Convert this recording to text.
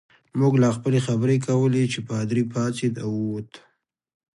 موږ لا خپلې خبرې کولې چې پادري پاڅېد او ووت.